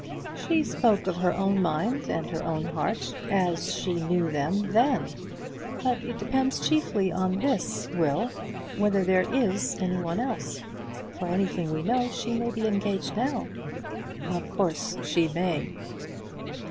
"She spoke of her own mind and her own heart as she knew them then. But it depends chiefly on this, Will, whether there is any one else. For anything we know, she may be engaged now." "Of course she may."